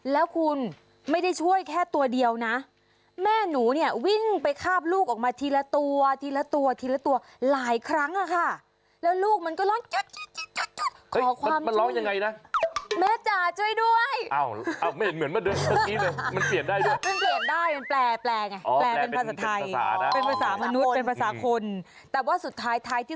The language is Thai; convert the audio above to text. แล้วคุณไม่ได้ช่วยแค่ตัวเดียวนะแม่หนูนี้วิ่งไปคาบลูกออกมาทีละตัวหลายครั้งอะค่ะ